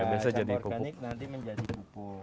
ya sampah organik nanti menjadi kupu